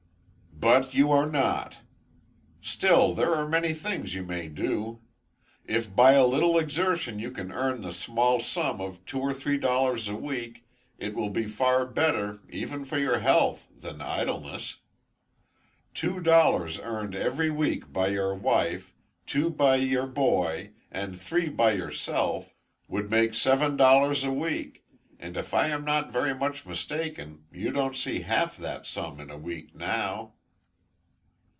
"But you are not. Still, there are many things you may do. If by a little exertion you can earn the small sum of two or three dollars a week, it will be far better even for your health than idleness. Two dollars earned every week by your wife, two by your boy, and three by yourself, would make seven dollars a week; and if I am not very much mistaken, you don't see half that sum in a week now."